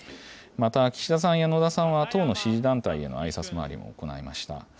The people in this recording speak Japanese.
また岸田さんや野田さんは、党の支持団体へのあいさつ回りも行いました。